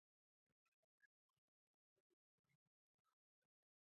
زموږ هېواد ډېرې ستونزې لري باید ډک شي.